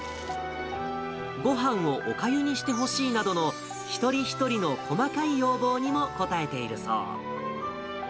ごはんをおかゆにしてほしいなどの、一人一人の細かい要望にも応えているそう。